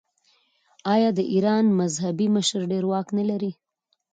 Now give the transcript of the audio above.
آیا د ایران مذهبي مشر ډیر واک نلري؟